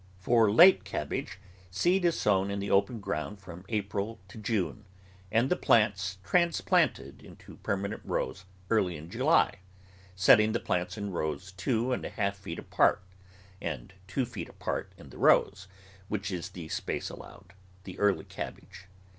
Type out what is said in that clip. For late cabbage, seed is sown in the open ground from April to June, and the plants transplanted THE GROWING OF VARIOUS VEGETABLES into permanent rows early in July, setting the plants in rows two and a half feet apart and two feet apart in the rows, which is the space allowed the early cabbage.